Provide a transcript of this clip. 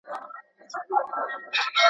شرنګاشرنګ به د رباب او د پایل وي ..